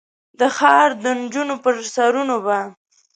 د ښار د نجونو پر سرونو به ،